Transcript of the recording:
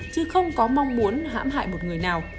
chứ không có mong muốn hãm hại một người nào